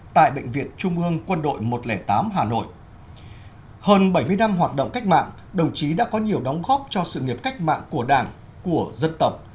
tại bệnh viện trung ương quân đội một trăm linh tám hà nội hơn bảy mươi năm hoạt động cách mạng đồng chí đã có nhiều đóng góp cho sự nghiệp cách mạng của đảng của dân tộc